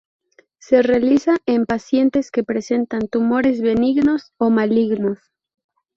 Se realiza en pacientes que presentan tumores benignos o malignos.